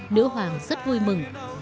nữ hoàng rất vui mừng